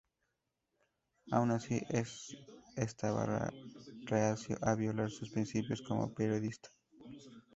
Aun así, es estaba reacio a violar sus principios como periodista.